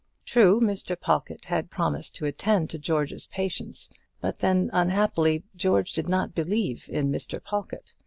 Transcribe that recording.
True, Mr. Pawlkatt had promised to attend to George's patients; but then, unhappily, George did not believe in Mr. Pawlkatt.